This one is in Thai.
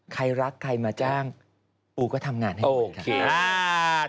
ใครรักใครมาจ้างปูก็ทำงานให้เลยค่ะ